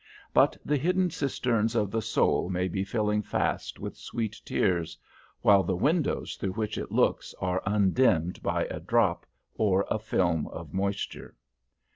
But the hidden cisterns of the soul may be filling fast with sweet tears, while the windows through which it looks are undimmed by a drop or a film of moisture.